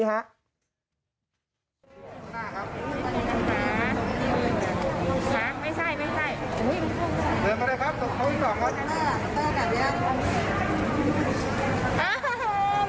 เออไม่ให้หนูเจ็บ๒รอบล่ะ